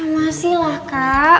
masih lah kak